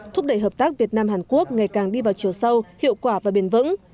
thúc đẩy hợp tác việt nam hàn quốc ngày càng đi vào chiều sâu hiệu quả và bền vững